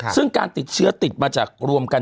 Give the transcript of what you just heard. ซึ่งการติดเชื้อติดมาจากรวมกัน